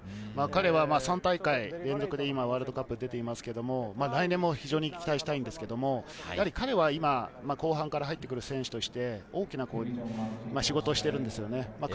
彼は３大会連続でワールドカップに出ていますけど、来年も非常に期待したいんですけれど、彼は今、後半から入ってくる選手として大きな仕事をしてるんですよね。